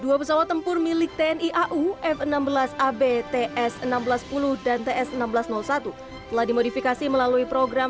dua pesawat tempur milik tni au f enam belas ab ts seribu enam ratus sepuluh dan ts seribu enam ratus satu telah dimodifikasi melalui program